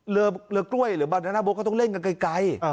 เรือกล้วยหรือบางนาโบ๊ก็ต้องเล่นกันไกล